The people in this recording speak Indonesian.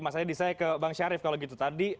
mas edi saya ke bang syarif kalau gitu tadi